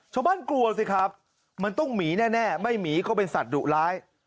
กลัวสิครับมันต้องหมีแน่ไม่หมีก็เป็นสัตว์ดุร้าย